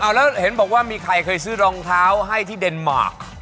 แล้วเห็นบอกว่ามีใครเคยซื้อรองเท้าให้ที่เดนมาร์ค